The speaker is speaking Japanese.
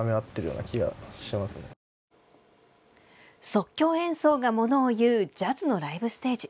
即興演奏がものをいうジャズのライブステージ。